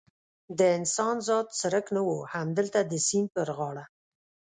د انسان ذات څرک نه و، همدلته د سیند پر غاړه.